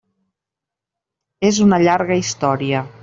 És una llarga història.